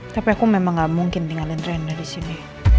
tapi aku memang gak mungkin tinggalin renda disini